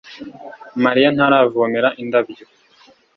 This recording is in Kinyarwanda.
Mariya ntaravomera indabyo